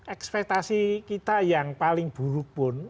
ekspektasi kita yang paling buruk pun